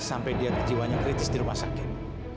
sampai dia jiwanya kritis di rumah sakit